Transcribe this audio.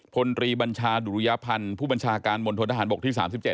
พลตรีบัญชาดุริยพันธ์ผู้บัญชาการมณฑนทหารบกที่๓๗